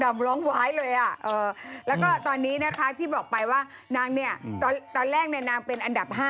ดำร้องว้ายเลยอ่ะและก็ตอนนี้ที่บอกไปว่าตอนแรกนางเป็นอัลดับ๕